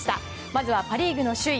まずはパ・リーグの首位